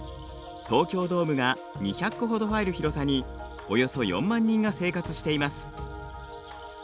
東京ドームが２００個ほど入る広さにおよそ４万人が生活しています。